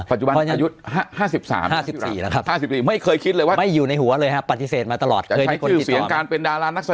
ปัจจุบันอายุ๕๓แล้ว๕๔แล้วครับ